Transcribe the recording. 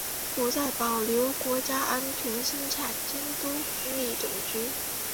不再保留国家安全生产监督管理总局。